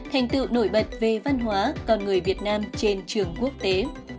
tám hành tựu nổi bật về văn hóa con người việt nam trên trường quốc tế